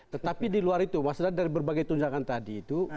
tetapi di luar itu maksudnya dari berbagai tunjangan tadi itu